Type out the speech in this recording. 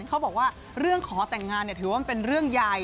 เขาบอกว่าเรื่องขอแต่งงานถือว่าเป็นเรื่องใหญ่